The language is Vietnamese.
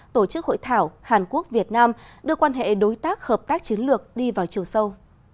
tổ chức hội thảo hàn quốc việt nam đưa quan hệ đối tác hợp tác chiến lược đi vào chiều sâu